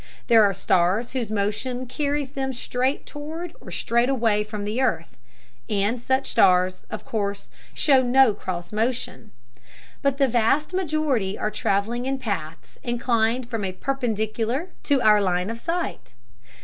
There are stars whose motion carries them straight toward or straight away from the earth, and such stars, of course, show no cross motion. But the vast majority are traveling in paths inclined from a perpendicular to our line of sight.